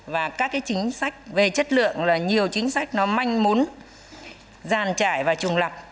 và các chính sách về chất lượng là nhiều chính sách manh mún giàn trải và trùng lập